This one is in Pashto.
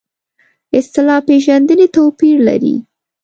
اصطلاح پېژندنې توپیر لري.